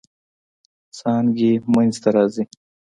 څانګې منځ ته راځي.